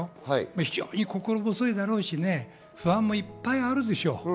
非常に心細いでしょうし、不安もいっぱいあるでしょう。